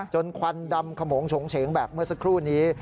ควันดำขมงฉงเฉงแบบเมื่อสักครู่นี้